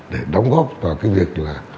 để đóng góp vào cái việc là